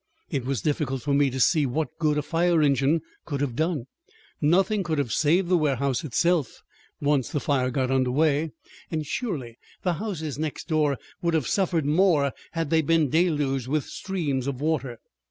It was difficult for me to see what good a fire engine could have done. Nothing could have saved the warehouse itself once the fire got under way; and surely the houses next door would have suffered more had they been deluged with streams of water.